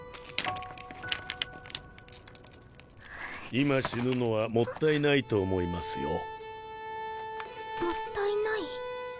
今死ぬのはもったいないと思いますよもったいない？